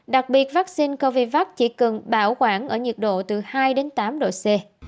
đặc biệt vaccine covivac chỉ cần bảo quản ở nhiệt độ từ hai tám độ c